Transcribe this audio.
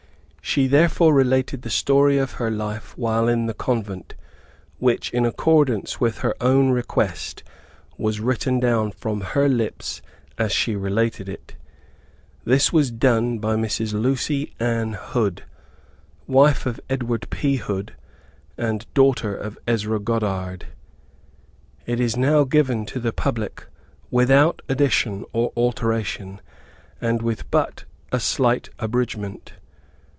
She therefore related the story of her life while in the convent, which, in accordance with her own request, was written down from her lips as she related it. This was done by Mrs. Lucy Ann Hood, wife of Edward P. Hood, and daughter of Ezra Goddard. It is now given to the public without addition or alteration, and with but a slight abridgment.